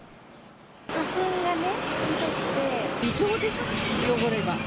花粉がひどくて、異常でしょ、汚れが。